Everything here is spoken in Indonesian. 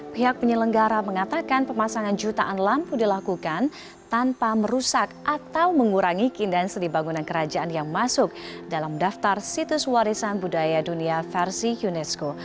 pihak penyelenggara mengatakan pemasangan jutaan lampu dilakukan tanpa merusak atau mengurangi keindahan seni bangunan kerajaan yang masuk dalam daftar situs warisan budaya dunia versi unesco